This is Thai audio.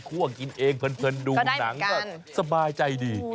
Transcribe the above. กินเองเพลินดูหนังก็สบายใจดี